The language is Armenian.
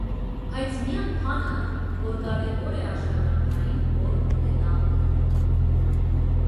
Բայց միակ բանը, որ կարևոր է աշխատանքային օր ունենալն է։